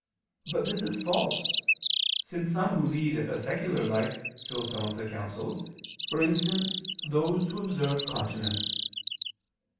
But this is false, since some who lead a secular life fulfil some of the counsels, for instance those who observe continence.